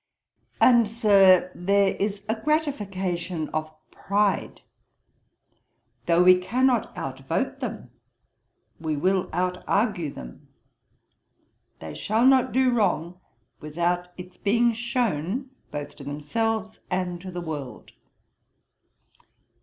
'And, Sir, there is a gratification of pride. Though we cannot out vote them we will out argue them. They shall not do wrong without its being shown both to themselves and to the world.'